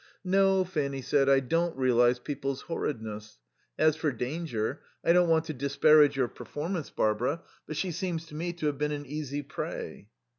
"No," Fanny said, "I don't realize people's horridness. As for danger, I don't want to disparage your performance, Barbara, but she seems to me to have been an easy prey."